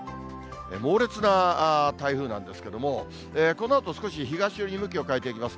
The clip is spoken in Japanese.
猛烈な台風なんですけども、このあと少し東寄りに向きを変えていきます。